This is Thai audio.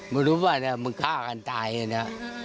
มึงรู้ป่ะเนี่ยมึงฆ่ากันตายเลยนะ